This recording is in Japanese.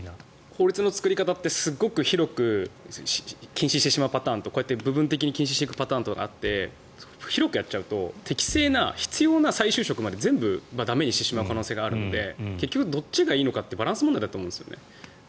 法律の作り方ってすごく広く禁止してしまうパターンと部分的に禁止していくパターンがあって広くやっちゃうと適正な、必要な再就職まで全部駄目にしてしまう可能性があるので結局、どっちがいいのかってバランス問題だと思うんですね。